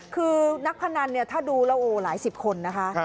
คือนักพนันถ้าดูเราโอ้โฮหลายสิบคนนะคะ